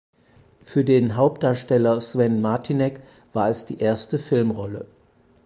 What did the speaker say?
Für den Hauptdarsteller Sven Martinek war es die erste Filmrolle.